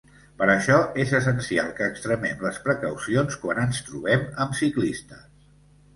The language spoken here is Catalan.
Per això és essencial que extremem les precaucions quan ens trobem amb ciclistes.